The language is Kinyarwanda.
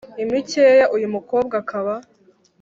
imikeya, uyu mukobwa akaba